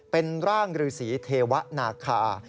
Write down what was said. เป็นร่างรือสีเทวนาคา